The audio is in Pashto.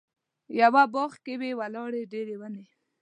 یوه باغ کې وې ولاړې ډېرې ونې.